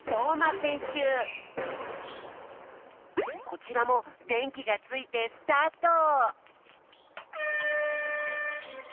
こちらもでんきがついてスタート！